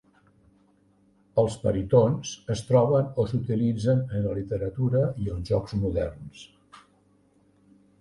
Els perytons es troben o s'utilitzen en la literatura i els jocs moderns.